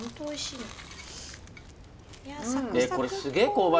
おいしい。